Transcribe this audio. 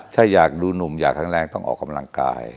ถ้าอยากดูหนุ่มอยากแข็งแรงต้องออกกำลังกาย